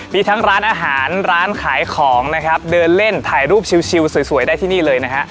มีทั้งร้านอาหารร้านขายของนะครับเดินเล่นถ่ายรูปชิวสวยได้ที่นี่เลยนะฮะ